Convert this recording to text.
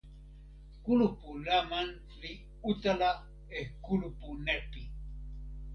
kulupu Laman li utala e kulupu Nepi.